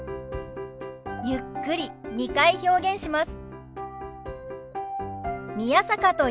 ゆっくり２回表現します。